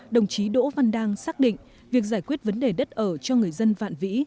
đồng chí đỗ văn đang xác định việc giải quyết vấn đề đất ở cho người dân vạn vĩ